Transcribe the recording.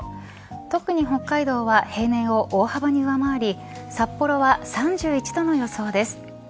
特に北海道は平年を大幅に上回り札幌は３１度の予想です。